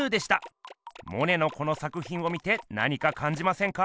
モネのこの作ひんを見て何かかんじませんか？